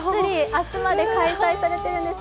明日まで開催されているんです。